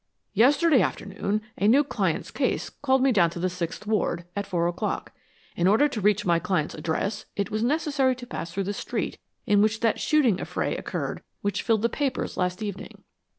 Yesterday afternoon, a new client's case called me down to the sixth ward, at four o'clock. In order to reach my client's address it was necessary to pass through the street in which that shooting affray occurred which filled the papers last evening.